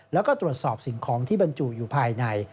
แล้วก็ตรวจสอบสิ่งของที่บรรจุอยู่ภายใน